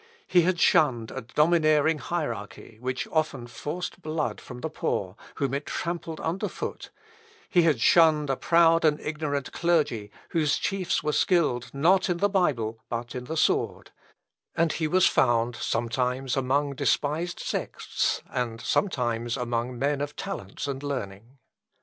He had shunned a domineering hierarchy, which often forced blood from the poor, whom it trampled under foot; he had shunned a proud and ignorant clergy, whose chiefs were skilled, not in the Bible, but in the sword; and he was found sometimes among despised sects, and sometimes among men of talents and learning.